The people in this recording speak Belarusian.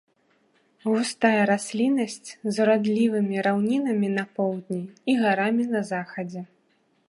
Густая расліннасць з урадлівымі раўнінамі на поўдні і гарамі на захадзе.